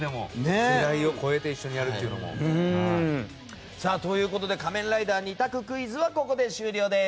世代を超えて一緒にやるというのも。ということで「仮面ライダー」２択クイズはここで終了です。